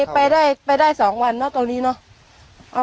ไปได้๒วันเนอะตรงนี้เนอะ